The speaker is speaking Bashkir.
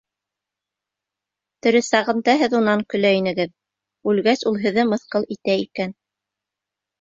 Тере сағында һеҙ унан көлә инегеҙ, үлгәс ул һеҙҙе мыҫҡыл итә икән.